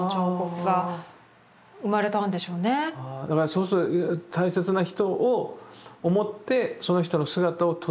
そうすると大切な人を思ってその人の姿をとどめる。